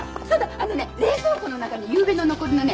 あのね冷蔵庫の中にゆうべの残りのね。